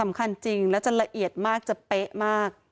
จริงแล้วจะละเอียดมากจะเป๊ะมาก